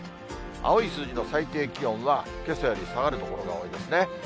青い数字の最低気温はけさより下がる所が多いですね。